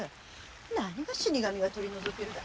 何が「死神が取り除ける」だ！